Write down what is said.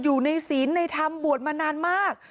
อยู่ในสิ้นในธรรมบวชมานานมาก